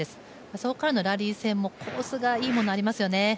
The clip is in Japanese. そこからのラリー戦もコースがいいものありますよね。